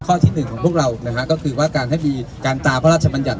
ที่หนึ่งของพวกเรานะฮะก็คือว่าการให้มีการตามพระราชบัญญัติ